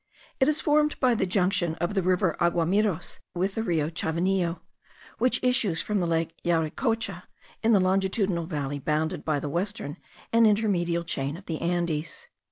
It is formed by the junction of the river Aguamiros with the Rio Chavinillo, which issues from the lake Llauricocha in a longitudinal valley bounded by the western and the intermedial chain of the Andes.